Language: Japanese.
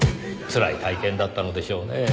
つらい体験だったのでしょうねぇ。